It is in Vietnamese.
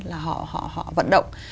là họ vận động